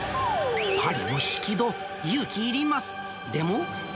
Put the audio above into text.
パリの引き戸、勇気いります。